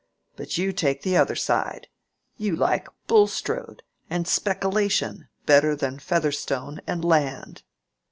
But you take the other side. You like Bulstrode and speckilation better than Featherstone and land."